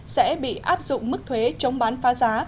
sẽ bị áp dụng mức thuế chống bán phá giá